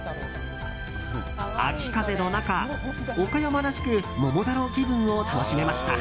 秋風の中、岡山らしく桃太郎気分を楽しめました。